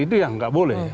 itu yang tidak boleh